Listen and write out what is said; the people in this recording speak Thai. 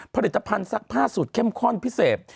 ผลิตภัณฑ์ซักผ้าสูตรเข้มข้นพิเศษ